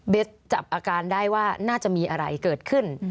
จับอาการได้ว่าน่าจะมีอะไรเกิดขึ้น